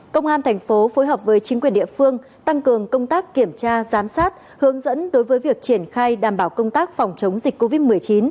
công an thành phố phối hợp với chính quyền địa phương tăng cường công tác kiểm tra giám sát hướng dẫn đối với việc triển khai đảm bảo công tác phòng chống dịch covid một mươi chín